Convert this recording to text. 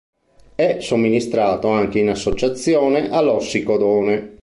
È somministrato anche in associazione all'ossicodone.